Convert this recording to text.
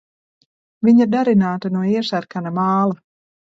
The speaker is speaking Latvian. Viņa darināta no iesarkana māla.